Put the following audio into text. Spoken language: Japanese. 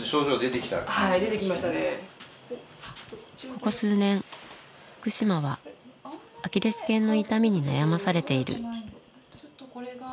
ここ数年福島はアキレス腱の痛みに悩まされている。